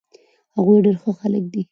هغوي ډير ښه خلک دي